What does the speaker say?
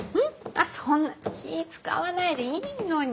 あっそんな気ぃ遣わないでいいのに。